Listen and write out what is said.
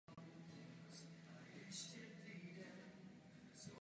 Za to ho Cheb a další německá města v Čechách zvolila čestným občanem.